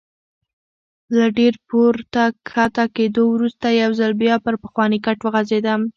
له ډېر پورته کښته کېدو وروسته یو ځل بیا پر پخواني کټ وغځېدم.